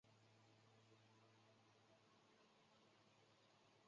头颅骨位在短颈部上。